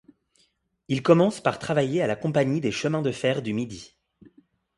Il commence par travailler à la Compagnie des chemins de fer du Midi.